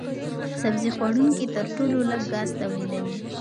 سبزي خوړونکي تر ټولو لږ ګاز تولیدوي.